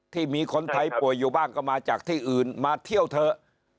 ที่มีคนไทยป่วยอยู่บ้างก็มาจากที่อื่นมาเที่ยวเถอะ